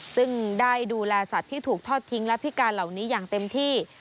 ซึ่งได้ดูแลสัตว์ที่ถูกทอดทิ้งและพิการเหล่านี้อย่างเต็มที่